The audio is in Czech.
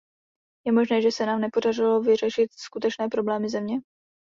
Je možné, že se nám nepodařilo vyřešit skutečné problémy země?